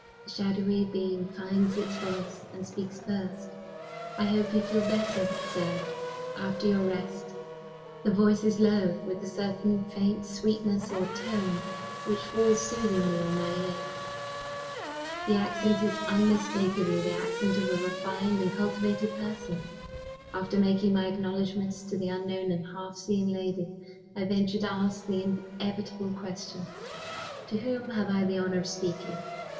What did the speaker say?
The shadowy being finds its voice, and speaks first. "I hope you feel better, sir, after your rest?" The voice is low, with a certain faint sweetness or tone which falls soothingly on my ear. The accent is unmistakably the accent of a refined and cultivated person. After making my acknowledgments to the unknown and half seen lady, I venture to ask the inevitable question, "To whom have I the honor of speaking?"